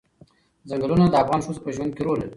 ځنګلونه د افغان ښځو په ژوند کې رول لري.